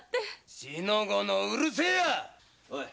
四の五のうるさい！